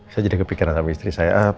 saya jadi kepikiran sama istri saya